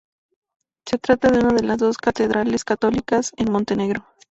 Se trata de una de las dos catedrales católicas en Montenegro.